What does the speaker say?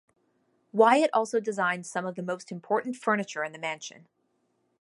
Wyatt also designed some of the most important furniture in the mansion.